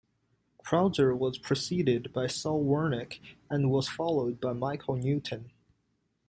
Krauzer was preceded by Saul Wernick and was followed by Michael Newton.